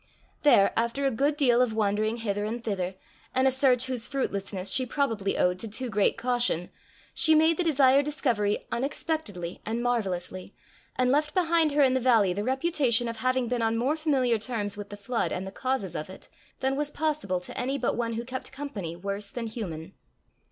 There, after a good deal of wandering hither and thither, and a search whose fruitlessness she probably owed to too great caution, she made the desired discovery unexpectedly and marvellously, and left behind her in the valley the reputation of having been on more familiar terms with the flood and the causes of it, than was possible to any but one who kept company worse than human.